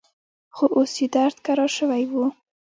خو اوس يې درد کرار سوى و.